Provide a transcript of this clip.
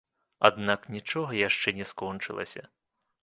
Аднак нічога яшчэ не скончылася.